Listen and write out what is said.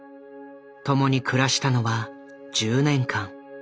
共に暮らしたのは１０年間。